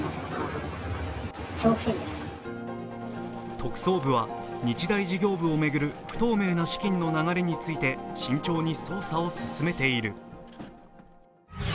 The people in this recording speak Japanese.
特捜部は日大事業部を巡る不透明な資金の流れについて慎重に捜査を進めている。